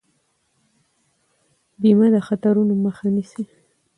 بیمه د خطرونو مخه نیسي.